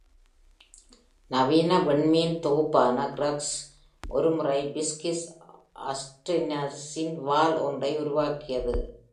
நவீன விண்மீன் தொகுப்பான க்ரஸ் ஒரு முறை பிஸ்கிஸ் ஆஸ்ட்ரினஸின் "வால்" ஒன்றை உருவாக்கியது.